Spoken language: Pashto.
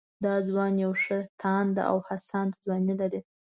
دا ځوان يوه ښه تانده او هڅانده ځواني لري